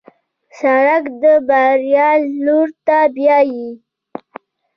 سړک د بریا لور ته بیایي.